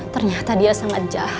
ternyata dia sangat jahat